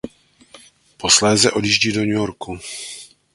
Posléze odjíždí do New Yorku.